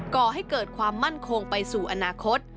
ก่อให้เกิดความมั่นคงไปสู่อนาคต